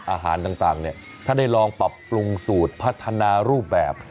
อาหารต่างเนี่ยถ้าได้ลองปรับปรุงสูตรพัฒนารูปแบบ